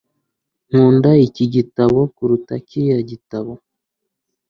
Nkunda iki gitabo kuruta kiriya gitabo